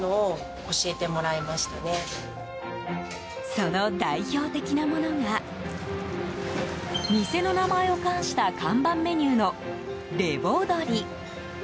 その代表的なものが店の名前を冠した看板メニューのレヴォ鶏。